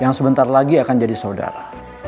yang sebentar lagi akan jadi saudara